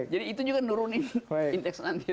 jadi itu juga menurunkan indeks nanti